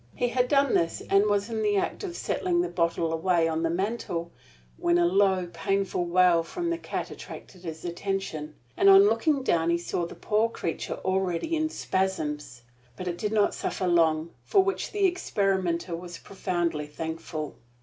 He had done this and was in the act of setting the bottle away on the mantel, when a low, painful wail from the cat attracted his attention, and on looking down he saw the poor creature already in spasms. But it did not suffer long, for which the experimenter was profoundly thankful.